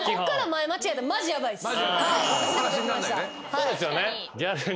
そうですよね。